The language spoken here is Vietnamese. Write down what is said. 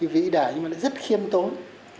vĩ đại nhưng mà nó rất khiêm tốn